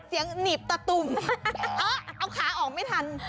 เสียงหนีบตะตุ่มเอ๊ะเอาขาออกไม่ทัน